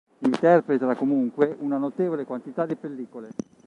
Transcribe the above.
Interpreta comunque una notevole quantità di pellicole.